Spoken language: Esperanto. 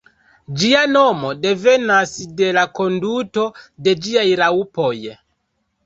Ĝia nomo devenas de la konduto de ĝiaj raŭpoj.